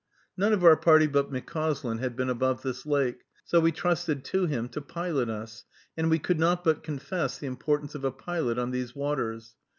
None of our party but McCauslin had been above this lake, so we trusted to him to pilot us, and we could not but confess the importance of a pilot on these waters.